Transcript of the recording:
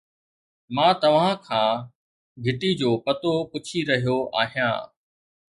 مان توهان کان گهٽي جو پتو پڇي رهيو آهيان